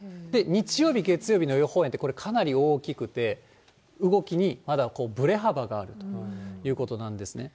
日曜日、月曜日の予報円って、これかなり大きくて、動きにまだぶれ幅があるということなんですね。